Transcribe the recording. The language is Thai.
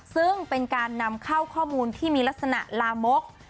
ซึ่งเป็นการนำเข้าข้อมูลที่มีลักษณะลามก